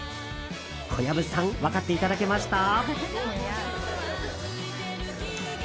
小籔さん分かっていただけました？